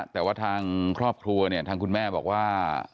แต่ว่าทางครอบครัวเนี่ยทางคุณแม่บอกว่า